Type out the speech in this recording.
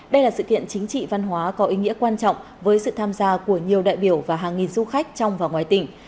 đây là sự kiện chính trị văn hóa có ý nghĩa quan trọng với sự tham gia của nhiều đại biểu và hàng nghìn du khách trong và ngoài tỉnh